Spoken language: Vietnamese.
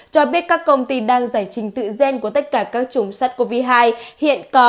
cho biết các công ty đang giải trình tự gen của tất cả các chủng sars cov hai hiện có